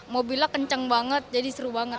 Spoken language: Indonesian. mobilnya kenceng banget jadi seru banget